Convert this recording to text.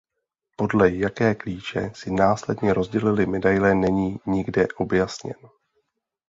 Podle jaké klíče si následně rozdělili medaile není nikde objasněn.